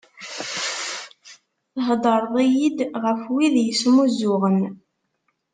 Theddreḍ-iyi-d ɣef wid yesmuzzuɣen.